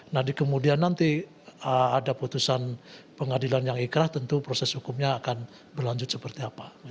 nah di kemudian nanti ada putusan pengadilan yang ikrah tentu proses hukumnya akan berlanjut seperti apa